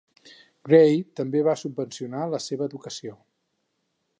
Gray també va subvencionar la seva educació.